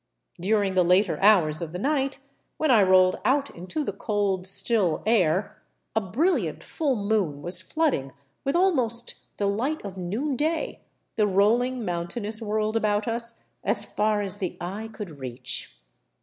During the later hours of the night, when I rolled out into the cold, still air, a brilliant full moon was flooding with almost the light of noonday the rolling mountainous world about us as far as the eye could reach.